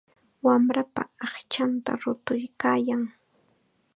Wamrapa aqchanta rutuykaayan.